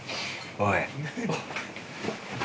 おい！